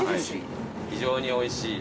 非常においしい。